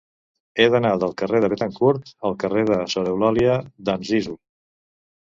He d'anar del carrer de Béthencourt al carrer de Sor Eulàlia d'Anzizu.